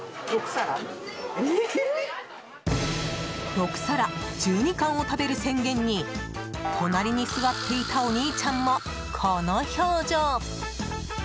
６皿１２貫を食べる宣言に隣に座っていたお兄ちゃんもこの表情。